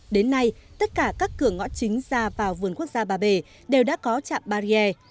đến nay tất cả các cửa ngõ chính ra vào vườn quốc gia ba bể đều đã có trạm barrier